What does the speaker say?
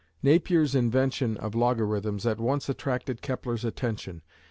Napier's invention of logarithms at once attracted Kepler's attention.